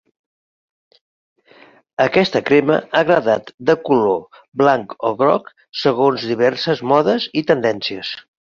Aquesta crema ha agradat de color blanc o groc segons diverses modes i tendències.